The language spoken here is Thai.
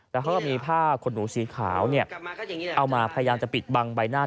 แล้วเขาก็มีผ้าขนหนูสีขาวเอามาพยายามจะปิดบังใบหน้า